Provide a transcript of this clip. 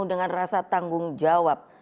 dengan rasa tanggung jawab